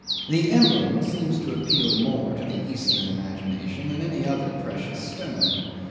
The emerald seems to appeal more to the Eastern imagination than any other precious stone.